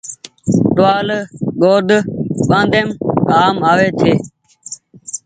ٽووآل ڳوڏ ٻآڍيم ڪآم آوي ڇي۔